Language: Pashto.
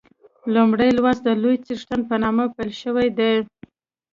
لومړی لوست د لوی څښتن په نامه پیل شوی دی.